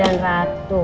raja dan ratu